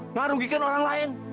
ngarugikan orang lain